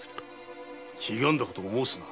ひがんだことを申すな。